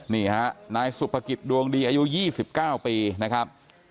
นี่ฮะนายสุภกิจดวงดีอายุยี่สิบเก้าปีนะครับ